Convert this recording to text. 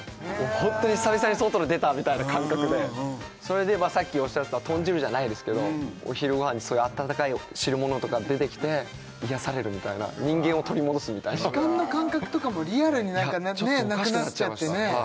ホントに久々に外に出たみたいな感覚でそれでさっきおっしゃってた豚汁じゃないですけどお昼ご飯にそういう温かい汁物とか出てきて癒やされるみたいな人間を取り戻すみたいな時間の感覚とかもリアルになんかねっなくなっちゃってねおかしくなっちゃいました